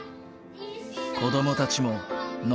子どもたちもノ